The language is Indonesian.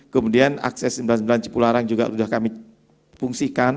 kemudian akses sembilan ratus sembilan puluh sembilan cipularang juga sudah kami fungsikan